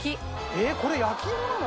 えっこれ焼き芋なの？